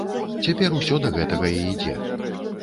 Цяпер усё да гэтага і ідзе.